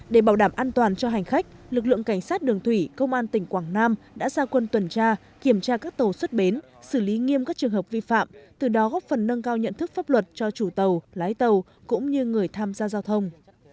để bảo đảm an toàn cho hành khách lực lượng cảnh sát đường thủy công an tỉnh quảng nam đã ra quân tuần tra kiểm tra các tàu xuất bến xử lý nghiêm các trường hợp vi phạm từ đó góp phần nâng cao nhận thức pháp luật cho chủ tàu lái tàu cũng như người tham gia giao thông